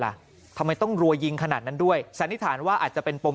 ล่ะทำไมต้องรัวยิงขนาดนั้นด้วยสันนิษฐานว่าอาจจะเป็นปม